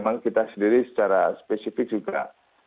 memang kita sendiri secara spesifik juga